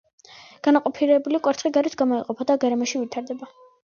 განაყოფიერებული კვერცხი გარეთ გამოიყოფა და გარემოში ვითარდება.